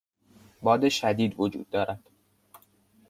باد شدید وجود دارد.